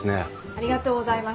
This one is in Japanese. ありがとうございます。